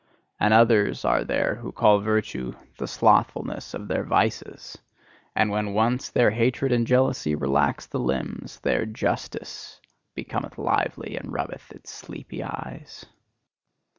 And others are there who call virtue the slothfulness of their vices; and when once their hatred and jealousy relax the limbs, their "justice" becometh lively and rubbeth its sleepy eyes.